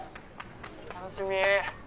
楽しみ。